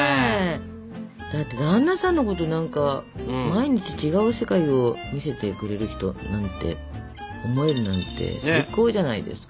だって旦那さんのこと何か「毎日違う世界を見せてくれる人」なんて思えるなんて最高じゃないですか。